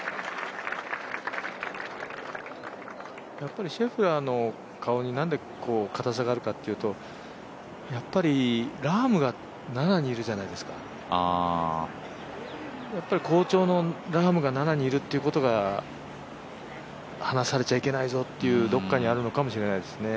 やっぱりシェフラーの顔になんでかたさがあるかというとやっぱりラームが７にいるじゃないですか、やっぱり好調のラームが７にいるということが、離されちゃいけないぞっていうどこかにあるのかもしれないですね。